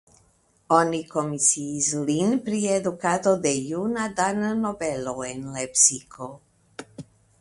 Oni komisiis lin pri edukado de juna dana nobelo en Lepsiko.